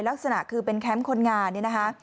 ลักษณะคือเป็นแคมป์คนงานเนี่ยนะคะ